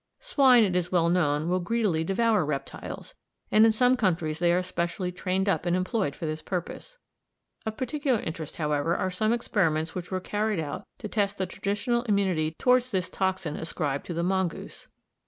Swine, it is well known, will greedily devour reptiles, and in some countries they are specially trained up and employed for this purpose. Of particular interest, however, are some experiments which were carried out to test the traditional immunity towards this toxin ascribed to the mongoose.